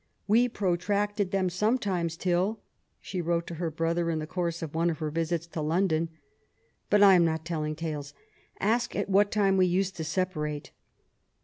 " We protracted them sometimes till " she wrote to her brother in the course of one of her visits to London ;^' but I am not telling tales. Ask at what time we used to separate."